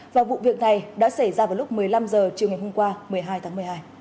và vụ việc này đã xảy ra vào lúc một mươi năm h chiều ngày hôm qua một mươi hai tháng một mươi hai